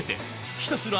ひたすら